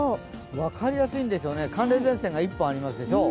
分かりやすいんですよね、寒冷前線が１本ありますでしょう。